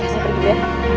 saya pergi dulu ya